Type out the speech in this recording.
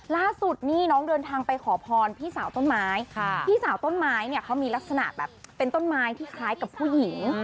ล่าสุดนี่น้องเดินทางไปขอพรพี่สาวต้นไม้พี่สาวต้นไม้เนี่ยเขามีลักษณะแบบเป็นต้นไม้ที่คล้ายกับผู้หญิง